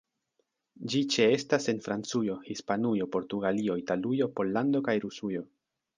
Ĝi ĉeestas en Francujo, Hispanujo, Portugalio, Italujo, Pollando kaj Rusujo.